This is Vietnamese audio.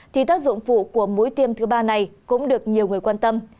thì tác dụng phụ của mũi tiêm thứ ba này cũng được nhiều người quan tâm